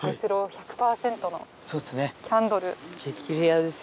キャンドル。